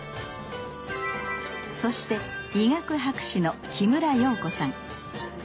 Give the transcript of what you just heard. そして医学博士の木村容子さん。